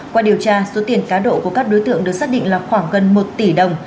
qua điều tra số tiền cá độ của các đối tượng được xác định là khoảng gần một tỷ đồng